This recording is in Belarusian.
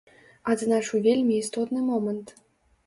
Адзначу вельмі істотны момант.